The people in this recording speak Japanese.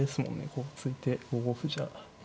ここ突いて５五歩じゃ。